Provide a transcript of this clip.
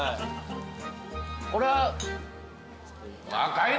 これは。